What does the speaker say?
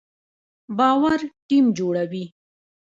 باور ټیم جوړوي